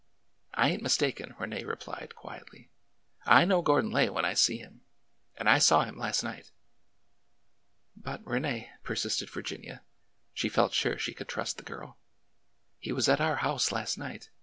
I ain't mistaken," Rene replied quietly. I know Gordon Lay when I see him ! And I saw him last night." But, Rene," persisted Virginia (she felt sure she could trust the girl), ''he was at our house last night.